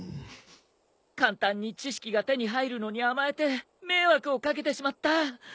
簡単に知識が手に入るのに甘えて迷惑を掛けてしまった。